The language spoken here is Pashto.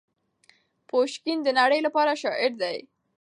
پوشکین د نړۍ لپاره شاعر دی.